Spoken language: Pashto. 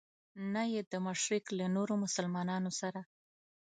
نه یې د مشرق له نورو مسلمانانو سره.